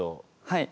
はい。